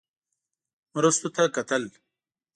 مرستو ته کتل.